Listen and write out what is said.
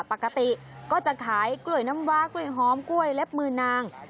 ปกติก็จะขายกล้วยน้ำว้ากล้วยหอมกล้วยเล็บมือนาง